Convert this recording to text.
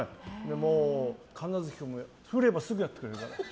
神奈月君も振ればすぐやってくれる。